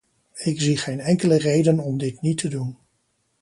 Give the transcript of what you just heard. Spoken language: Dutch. Ik zie geen enkele reden om dit niet te doen.